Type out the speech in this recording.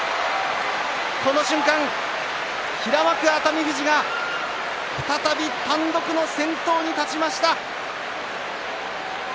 この瞬間、平幕熱海富士が再び単独の先頭に立ちました。